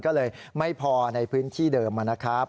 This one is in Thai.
ก็เลยไม่พอในพื้นที่เดิมนะครับ